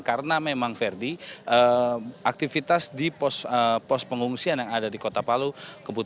karena memang ferdi aktivitas di pos pos pengungsian yang ada di kota palu